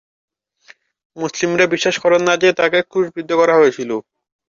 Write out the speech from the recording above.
মুসলিমরা বিশ্বাস করেন না যে, তাঁকে ক্রুশবিদ্ধ করা হয়েছিল।